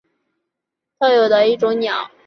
毛里求斯艳织雀是毛里求斯特有的一种鸟。